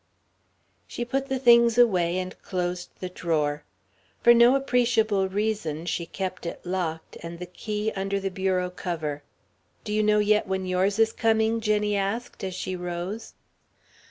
She put the things away, and closed the drawer. For no appreciable reason, she kept it locked, and the key under the bureau cover. "Do you know yet when yours is coming?" Jenny asked, as she rose.